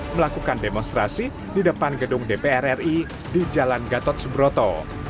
melakukan demonstrasi di depan gedung dpr ri di jalan gatot subroto